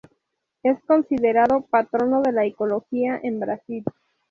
Es considerado "Patrono de la Ecología en Brasil".